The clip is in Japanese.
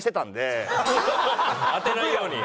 当てないようにね。